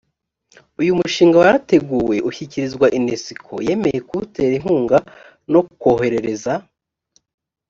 uyu mushinga wareteguwe ushyikirizwa unesco yemeye kuwutera inkunga no kwoherereza